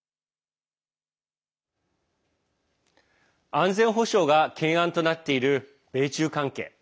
安全保障が懸案となっている米中関係。